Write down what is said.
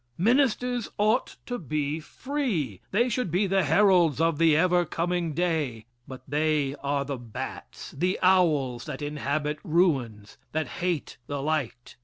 Ministers ought to be free. They should be the heralds of the ever coming day, but they are the bats, the owls that inhabit ruins, that hate the light.